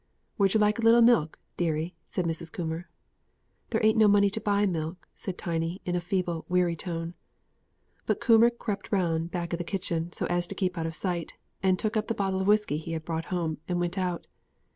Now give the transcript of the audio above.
"Would yer like a little milk, deary?" asked Mrs. Coomber. "There ain't no money to buy milk," said Tiny, in a feeble, weary tone. But Coomber crept round the back of the kitchen, so as to keep out of sight, took up the bottle of whisky he had brought home, and went out.